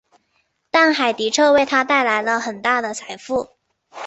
但海迪彻为他带来了很大的财富。